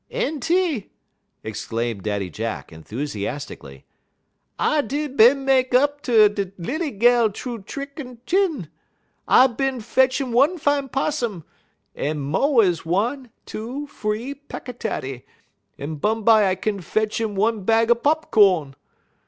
"Enty!" exclaimed Daddy Jack, enthusiastically, "I did bin mek up ter da' lilly gal troo t'ick un t'in. I bin fetch 'im one fine 'possum, un mo' ez one, two, free peck a taty, un bumbye I bin fetch 'im one bag pop co'n.